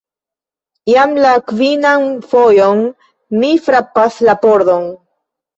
Jam la kvinan fojon mi frapas la pordon!